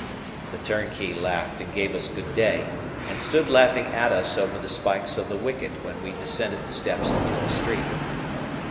The turnkey laughed, and gave us good day, and stood laughing at us over the spikes of the wicket when we descended the steps into the street.